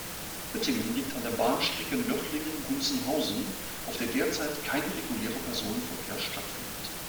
Oettingen liegt an der Bahnstrecke Nördlingen–Gunzenhausen, auf der derzeit kein regulärer Personenverkehr stattfindet.